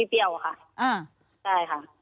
ได้ค่ะ